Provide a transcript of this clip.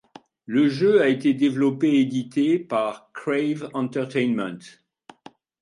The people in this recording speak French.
Le jeu a été développé et édité par Crave Entertainment.